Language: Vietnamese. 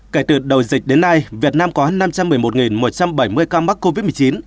kể từ đầu dịch đến nay việt nam có năm trăm một mươi một một trăm bảy mươi ca mắc covid một mươi chín